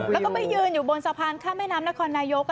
แล้วก็ไปยืนอยู่บนสะพานข้ามแม่น้ำนครนายก